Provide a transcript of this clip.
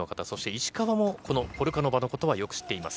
石川もポルカノバのことはよく知っています。